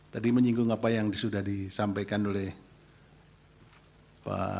tadi menyinggung apa yang sudah disampaikan oleh pak